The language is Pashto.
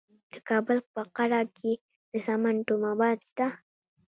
د کابل په قره باغ کې د سمنټو مواد شته.